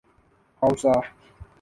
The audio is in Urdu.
ہؤسا